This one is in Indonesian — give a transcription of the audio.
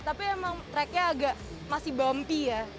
tapi emang tracknya agak masih bumpy ya